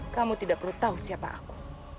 kamu tidak perlu tahu siapa aku